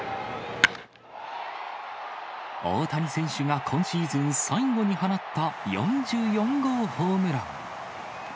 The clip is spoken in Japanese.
大谷選手が今シーズン最後に放った４４号ホームラン。